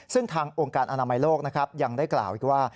ซึ่งทางโรงการอนามัยโลกยังได้กล่าวว่า